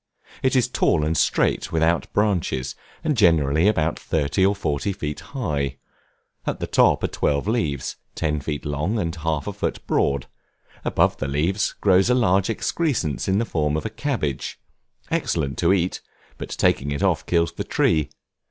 It is tall and straight, without branches, and generally about thirty or forty feet high; at the top are twelve leaves, ten feet long, and half a foot broad; above the leaves, grows a large excrescence in the form of a cabbage, excellent to eat, but taking it off kills the tree.